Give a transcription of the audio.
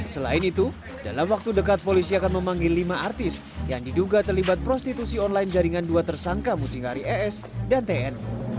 selain itu dalam waktu dekat polisi akan memanggil lima artis yang diduga terlibat prostitusi online jaringan dua tersangka mucikari es dan tn